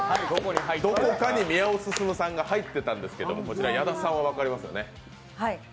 どこかに宮尾すすむさんが入ってたんですけど、こちら矢田さんは分かりますよね？